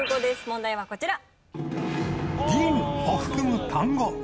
問題はこちら。